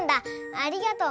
ありがとう。